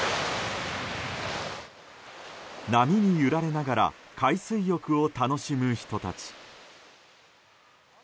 波に揺られながら海水浴を楽しむ人たち。